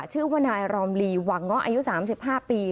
ชื่อว่านายรอมลีหวังเงาะอายุสามสิบห้าปี